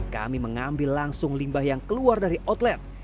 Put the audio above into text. kami mengambil langsung limbah yang keluar dari outlet